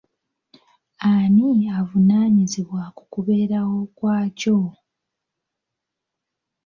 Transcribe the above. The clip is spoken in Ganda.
Ani avunanyizibwa ku kubeerawo kwakyo?